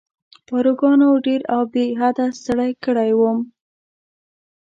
پاروګانو ډېر او بې حده ستړی کړی وم.